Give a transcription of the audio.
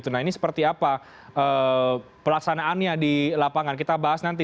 nah ini seperti apa pelaksanaannya di lapangan kita bahas nanti